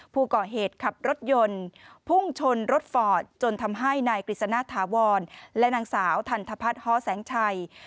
ผู้ก่อเหตุขับรถยนต์พุ่งชนรถฟอร์ดจนทำให้นายกฤษณะถาวรและนางสาวทันทพัฒน์ฮ้อแสงชัย